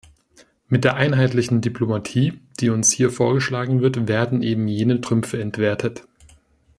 Mit der einheitlichen Diplomatie, die uns hier vorgeschlagen wird, werden eben jene Trümpfe entwertet.